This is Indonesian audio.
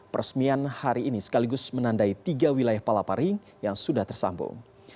peresmian hari ini sekaligus menandai tiga wilayah palaparing yang sudah tersambung